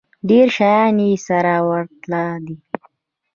ډېر شیان یې سره ورته دي.